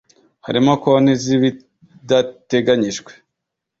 harimo konti z ibidateganyijwe